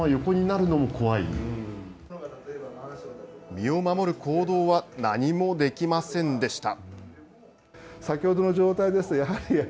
身を守る行動は何もできませんでした。